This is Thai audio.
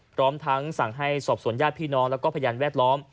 พร้อมทั้งสั่งให้สอบสวนญาติพี่น้องแล้วก็พยานแวดล้อม